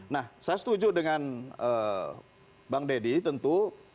nah saya setuju dengan bang deddy tentu